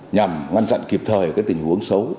nhằm ngăn chặn kỳ vụ